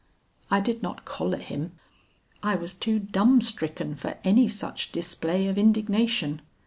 "I did not collar him; I was too dumb stricken for any such display of indignation.